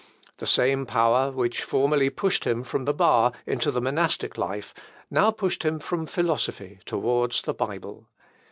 The same power which formerly pushed him from the bar into the monastic life now pushed him from philosophy towards the Bible.